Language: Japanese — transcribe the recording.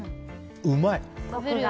うまい。